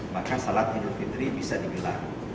maka salat idul fitri bisa digelar